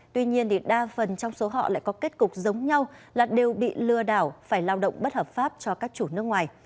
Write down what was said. tuy nhiên đa phần trong số họ lại có kết cục giống nhau là đều bị lừa đảo phải lao động bất hợp pháp cho các chủ nước ngoài